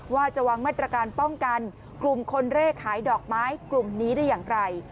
ว่าจะวางมาตรการป้องกันกลุ่มคนเร่ขายดอกไม้กลุ่มนี้ได้อย่างไร